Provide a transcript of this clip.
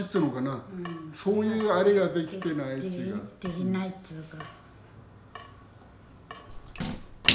できないっつうか。